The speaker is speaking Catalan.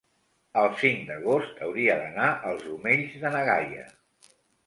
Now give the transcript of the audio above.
el cinc d'agost hauria d'anar als Omells de na Gaia.